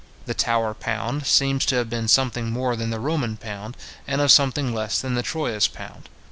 The Tower pound seems to have been something more than the Roman pound, and something less than the Troyes pound.